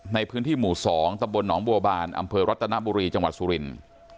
ในพื้นที่หมู่๒ตำบลหนองบัวบานอำเภอรัตนบุรีจังหวัดสุรินทร์